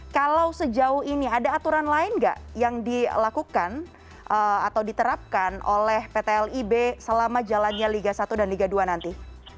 kalau sejauh ini ada aturan lain nggak yang dilakukan atau diterapkan oleh pt lib selama jalannya liga satu dan liga dua nanti